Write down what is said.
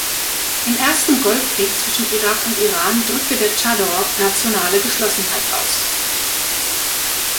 Im Ersten Golfkrieg zwischen Irak und Iran drückte der Tschador nationale Geschlossenheit aus.